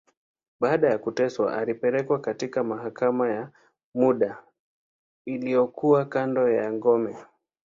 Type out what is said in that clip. Baada ya kuteswa, alipelekwa katika mahakama ya muda, iliyokuwa kando ya ngome.